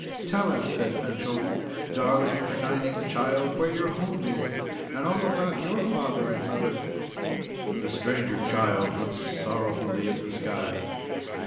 "Tell us," said Fanchon, "darling Shining Child, where your home is, and all about your father and mother." The Stranger Child looked sorrowfully at the sky.